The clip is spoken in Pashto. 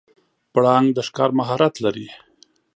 پړانګ د ښکار مهارت لري.